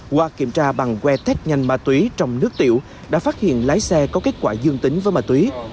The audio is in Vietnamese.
qua kiểm tra bằng que tét nhanh má túy trong nước tiểu đã phát hiện lái xe có kết quả dương tính với má túy